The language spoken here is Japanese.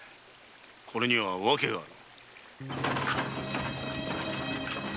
これにはわけがある。